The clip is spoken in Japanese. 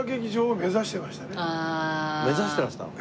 目指してらしたの？